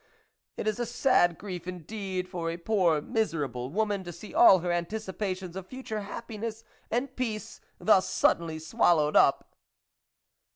It is a sad grief indeed for a poor miserable woman to see all her anticipations of future happiness and peace thus suddenly swallowed up